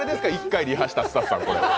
１回リハしたスタッフさん。